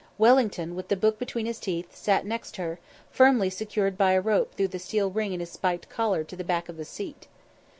Wellington, with the book between his teeth, sat next her, firmly secured by a rope through the steel ring in his spiked collar to the back of the seat.